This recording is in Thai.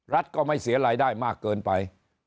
รัฐก็ไม่เสียรายได้มากเกินไป